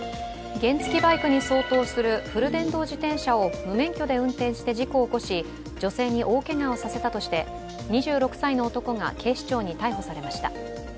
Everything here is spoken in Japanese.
原付きバイクに相当するフル電動自転車を無免許で運転して事故を起こし女性に大けがをさせたとして２６歳の男が警視庁に逮捕されました。